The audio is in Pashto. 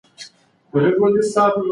هغه خپل لاسونه په جېبونو کې ګرم ساتل.